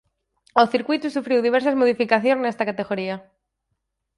O circuíto sufriu diversas modificacións nesta categoría.